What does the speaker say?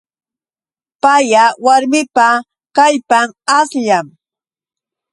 Paya warmipa kallpan ashllam.